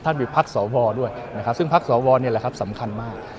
ท่านมีสระวรด้วยนะครับซึ่งพักสระวรนี้นะครับสำคัญมาก